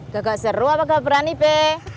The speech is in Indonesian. kakak seru apa gak berani be